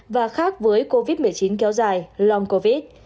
và khác với covid một mươi chín kéo dài lom covid